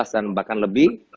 dan bahkan lebih